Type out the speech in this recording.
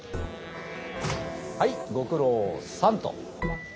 はいご苦労さんと。